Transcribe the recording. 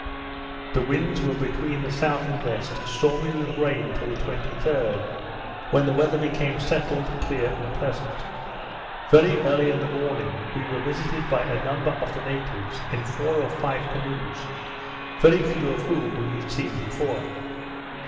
The winds were between the south and west, stormy with rain till the 23d, when the weather became settled, clear, and pleasant. Very early in the morning, we were visited by a number of the natives, in four or five canoes, very few of whom we had seen before.